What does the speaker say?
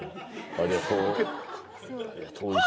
ありがとう。